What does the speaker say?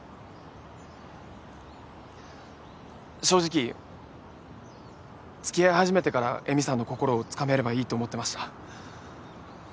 正直付き合い始めてから恵美さんの心をつかめればいいと思ってました。